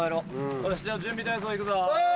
よしじゃ準備体操いくぞ。